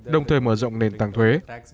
đồng thời mở rộng nền tăng thuế